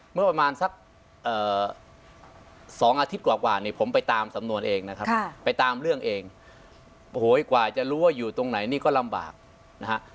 เมื่อประมาณสัก๒อาทิตย์กว่านี่ผมไปตามสำนวนเองนะครับไปตามเรื่องเองโอ้โหกว่าจะรู้ว่าอยู่ตรงไหนนี่ก็ลำบากนะฮะ